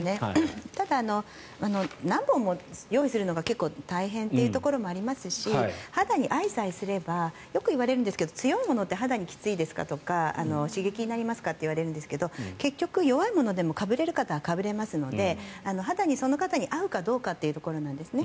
ただ、何本も用意するのが結構大変というところもありますし肌に合いさえすればよく言われるんですけど強いものって肌にきついですかとか刺激になりますかと言われるんですけど結局、弱いものでもかぶれる方はかぶれますので肌に、その方に合うかどうかというところなんですね。